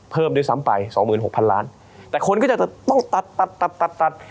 เพิ่มด้วยซ้ำไป๒๖๐๐๐ล้านแต่คนก็จะต้องตัด